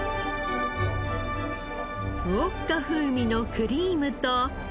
ウォッカ風味のクリームと。